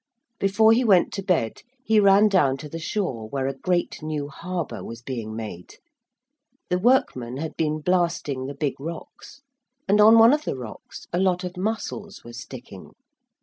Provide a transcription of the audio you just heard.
Before he went to bed he ran down to the shore where a great new harbour was being made. The workmen had been blasting the big rocks, and on one of the rocks a lot of mussels were sticking.